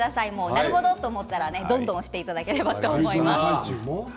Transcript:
なるほどと思ったら、どんどん押していただければと思います。